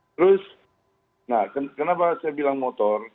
terus kenapa saya bilang motor